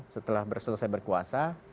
setelah selesai berkuasa